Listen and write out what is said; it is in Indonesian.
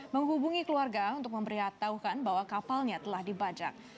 menghubungi keluarga untuk memberi hati bahwa kapalnya telah dibajak